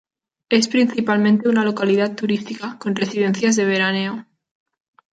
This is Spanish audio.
Es principalmente una localidad turística, con residencias de veraneo.